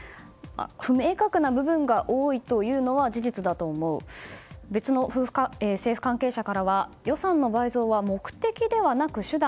不明確な部分が多いというのは事実だと思う別の政府関係者からは予算の倍増は目的ではなく手段。